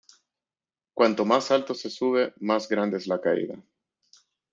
Cuanto más alto se sube más grande es la caída.